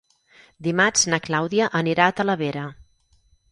Dimarts na Clàudia anirà a Talavera.